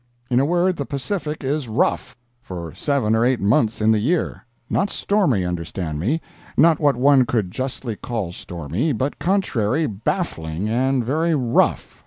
In a word, the Pacific is "rough," for seven or eight months in the year—not stormy, understand me—not what one could justly call stormy, but contrary, baffling and very "rough".